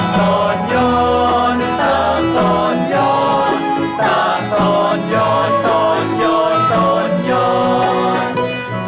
ตอนยอดตามตอนยอดตามตอนยอดตอนยอดตอนยอด